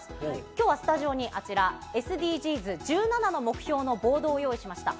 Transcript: きょうはスタジオにあちら、ＳＤＧｓ１７の目標のボードを用意しました。